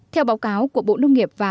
theo báo cáo của bộ nông nghiệp